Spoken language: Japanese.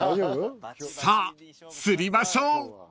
［さあ釣りましょう］